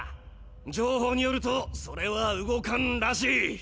情報によるとソレは動かんらしい。